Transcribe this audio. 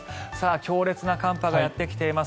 強烈な寒波がやってきています。